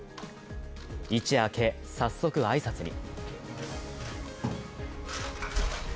一夜明け、早速挨拶に。